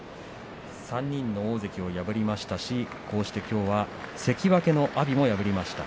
３人の大関を破りましたしきょうは関脇の阿炎も破りました。